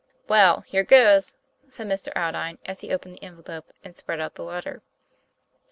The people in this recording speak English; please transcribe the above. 'Well, here goes!" said Mr. Aldine, as he opened the envelope and spread out the letter. ST.